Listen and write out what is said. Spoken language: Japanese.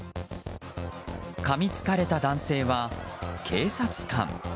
かみつかれた男性は警察官。